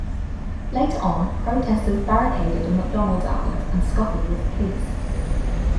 Later on, protesters barricaded a McDonald's outlet and scuffled with police.